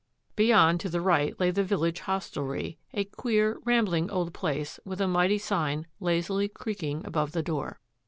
Beyond to the right lay the village hostelry, a queer, rambling old place with a mighty sign lazily creaking above the door.